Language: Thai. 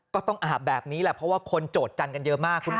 ก็ต้องอาบแบบนี้แหละเพราะว่าคนโจทยันกันเยอะมาก